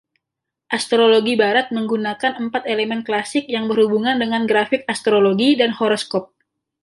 Astrologi Barat menggunakan empat elemen klasik yang berhubungan dengan grafik astrologi dan horoskop.